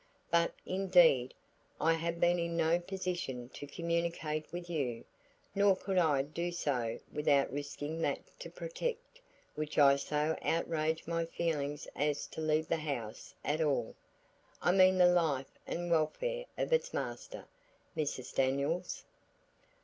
"But indeed, I have been in no position to communicate with you, nor could I do so without risking that to protect which I so outraged my feelings as to leave the house at all. I mean the life and welfare of its master, Mrs. Daniels."